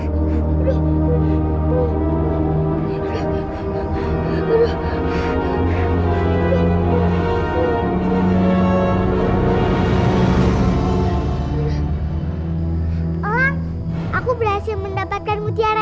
oh aku berhasil mendapatkan mutiara